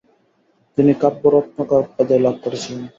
তিনি “কাব্যরত্নাকর” উপাধিও লাভ করেছিলেন।